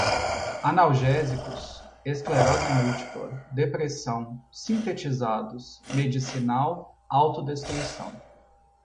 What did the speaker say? analgésicos, esclerose múltipla, depressão, sintetizados, medicinal, autodestruição